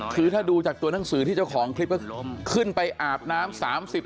คือถ้าดูจากตัวหนังสือที่เจ้าของคลิปก็ขึ้นไปอาบน้ำ๓๐